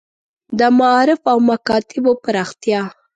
د معارف او مکاتیبو پراختیا.